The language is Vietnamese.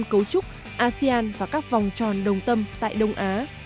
cơ chế cố thêm cấu trúc asean và các vòng tròn đồng tâm tại đông á